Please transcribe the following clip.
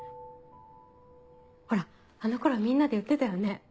ほらあの頃みんなで言ってたよね。